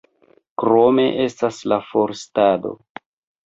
Krome estas la forstado.